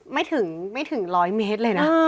ไม่ถึง๑๐๐เมตรเลยนะ